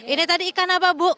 ini tadi ikan apa bu